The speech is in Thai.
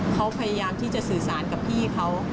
เขาพยายามที่จะสื่อสารกับพี่เขา